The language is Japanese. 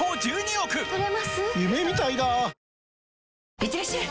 いってらっしゃい！